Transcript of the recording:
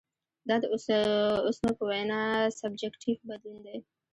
دا د اوسنو په وینا سبجکټیف بدلون دی.